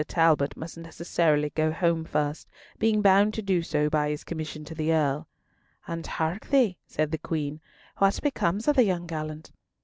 Talbot must necessarily go home first, being bound to do so by his commission to the Earl. "And, hark thee," said the Queen, "what becomes of the young gallant?"